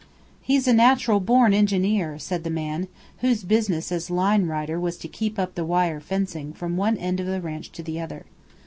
"He's a natural born engineer," said the man, whose business as "line rider" was to keep up the wire fencing from one end of the ranch to the other.